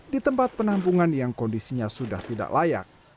di tempat penampungan yang kondisinya sudah tidak layak